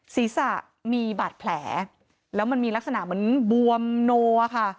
ศีรษะมีบาดแผลแล้วมันมีลักษณะเหมือนบวมโนอะค่ะ